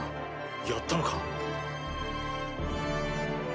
やったのか？